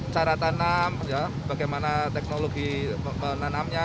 cara tanam bagaimana teknologi menanamnya